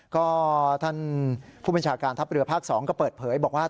ก็ท่านผู้บัญชาการทัพเรือภาค๒ก็เปิดเผยบอกว่า